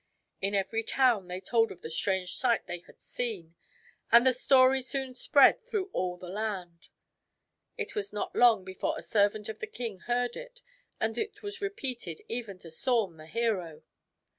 In every town they told of the strange sight they had seen, and the story soon spread through all the THE WHITE HEADED ZAL 221 land. It was not long before a servant of the king heard it and it was repeated even to Saum, the hero.